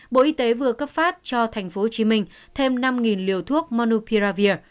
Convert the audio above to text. bộ y tế vừa cấp phát cho thành phố hồ chí minh thêm năm liều thuốc monopiravir